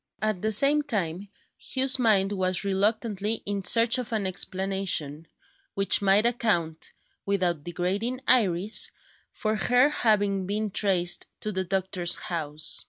At the same time, Hugh's mind was reluctantly in search of an explanation, which might account (without degrading Iris) for her having been traced to the doctor's house.